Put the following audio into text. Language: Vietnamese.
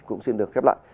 cũng xin được khép lại